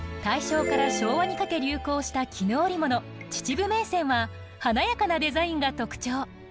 大正から昭和にかけ流行した絹織物秩父銘仙は華やかなデザインが特徴。